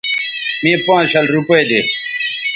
مے پانز شل روپے دے